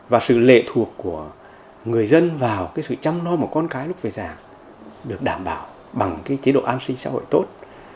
và sự lệ thuộc của người dân vào sự chăm lo một con cái lúc về già được đảm bảo bằng chế độ an sinh xã hội tốt